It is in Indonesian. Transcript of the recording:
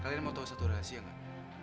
kalian mau tau satu rahasia gak